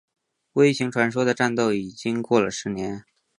微型传说的战斗已经过了十年。